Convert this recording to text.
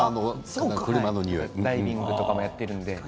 ダイビングとかやっているのでね。